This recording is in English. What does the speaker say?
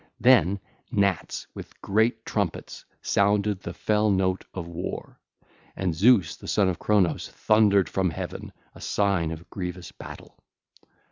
(ll. 199 201) Then gnats with great trumpets sounded the fell note of war, and Zeus the son of Cronos thundered from heaven, a sign of grievous battle.